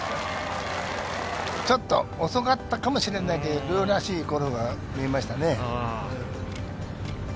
ちょっと遅かったかもしれないけれど、遼らしいゴルフが見えましたね。